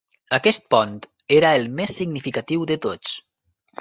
Aquest pont era el més significatiu de tots.